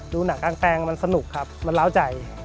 ดูหนังกลางแปลงมันสนุกครับมันล้าวใจ